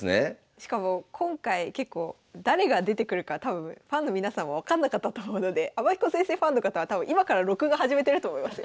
しかも今回結構誰が出てくるか多分ファンの皆さんも分かんなかったと思うので天彦先生ファンの方は多分今から録画始めてると思いますよ。